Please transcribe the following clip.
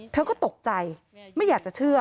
เธอก็ตกใจไม่อยากจะเชื่อ